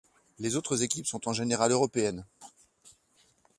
Les autres équipes sont en général européennes.